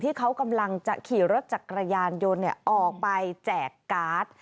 ที่เขากำลังจะขี่รถจักรยานยนต์ออกไปแจกการ์ด